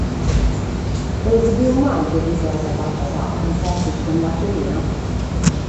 Amus bidu mai delìberas fatas a mutetos o in batorina?